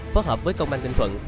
phối hợp với công an ninh thuận